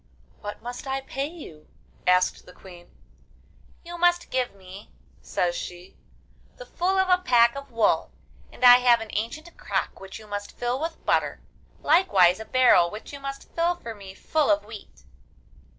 'What must I pay you?' asked the Queen. 'You must give me,' says she, 'the full of a pack of wool, and I have an ancient crock which you must fill with butter, likewise a barrel which you must fill for me full of wheat.